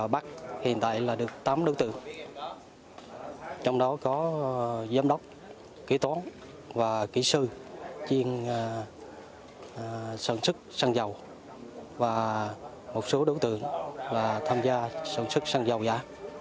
bắc hiện tại là được tám đối tượng trong đó có giám đốc kỹ tón và kỹ sư chuyên sản xuất xăng dầu và một số đối tượng là tham gia sản xuất xăng dầu giả